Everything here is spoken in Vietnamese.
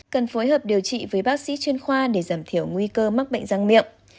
cần phối hợp điều trị với bác sĩ chuyên khoa để giảm thiểu nguy cơ mắc bệnh răng miệng